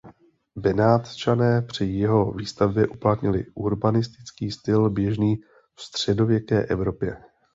Benátčané při jeho výstavbě uplatnili urbanistický styl běžný v středověké Evropě.